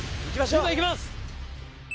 今行きます！